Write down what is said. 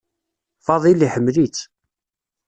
Fadil iḥemmel-itt.